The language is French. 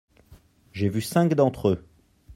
J’ai vu cinq d’entre eux.